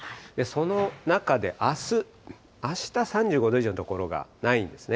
その中で、あす、あした３５度以上の所がないんですね。